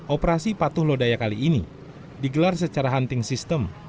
operasi patuh lodaya kali ini digelar secara hunting system